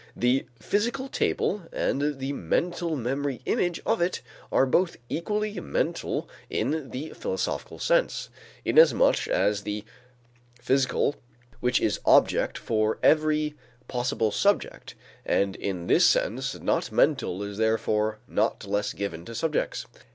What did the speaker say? The physical table and the mental memory image of it are both equally mental in the philosophical sense, inasmuch as the physical which is object for every possible subject and in this sense not mental is therefore not less given to subjects.